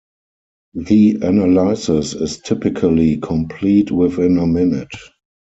The analysis is typically complete within a minute.